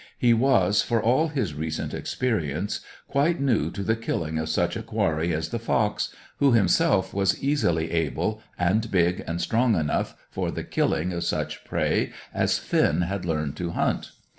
He was, for all his recent experience, quite new to the killing of such a quarry as the fox, who himself was easily able, and big and strong enough for the killing of such prey as Finn had learned to hunt.